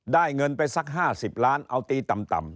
เงินไปสัก๕๐ล้านเอาตีต่ำ